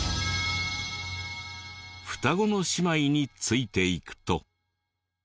双子の姉妹についていくと。